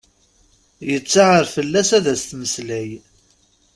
Yettaɛer fell-as ad as-temmeslay.